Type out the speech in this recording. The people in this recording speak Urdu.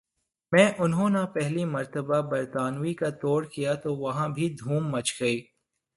میں انہو نہ پہلی مرتبہ برطانوی کا ٹور کیا تو وہاں بھی دھوم مچ دی